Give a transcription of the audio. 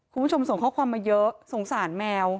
คุณผู้ชมส่งข้อความมาเยอะสงสารแมว